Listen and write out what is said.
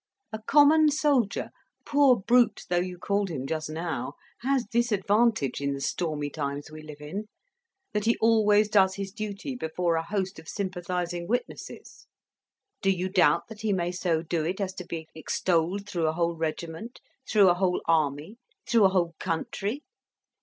A common soldier, poor brute though you called him just now, has this advantage in the stormy times we live in, that he always does his duty before a host of sympathising witnesses. Do you doubt that he may so do it as to be extolled through a whole regiment, through a whole army, through a whole country?